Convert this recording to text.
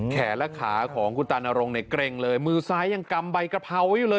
และขาของคุณตานรงเนี่ยเกร็งเลยมือซ้ายยังกำใบกระเพราไว้อยู่เลย